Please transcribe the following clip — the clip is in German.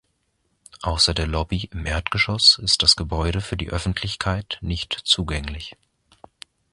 Außer der Lobby im Erdgeschoss ist das Gebäude für die Öffentlichkeit nicht zugänglich.